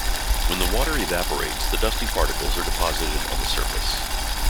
When the water evaporates, the dusty particles are deposited on the surface.